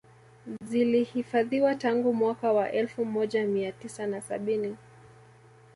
Zilihifadhiwa tangu mwaka wa elfu mojamia tisa na sabini